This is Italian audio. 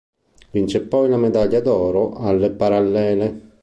Vince poi la medaglia d'oro alle parallele.